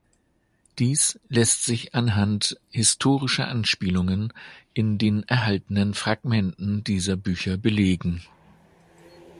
Dies lässt sich anhand historischer Anspielungen in den erhaltenen Fragmenten dieser Bücher belegen.